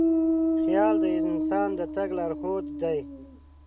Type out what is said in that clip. خیال د انسان د تګ لارښود دی.